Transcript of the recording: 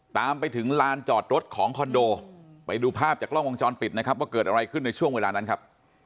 ตามไปถึงลานจอดรถของคอนโดไปดูภาพจากกล้องวงจรปิดนะครับว่าเกิดอะไรขึ้นในช่วงเวลานั้นครับ